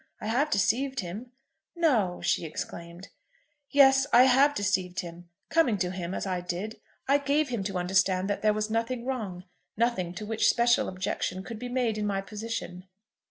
I have deceived him." "No!" she exclaimed. "Yes; I have deceived him. Coming to him as I did, I gave him to understand that there was nothing wrong; nothing to which special objection could be made in my position."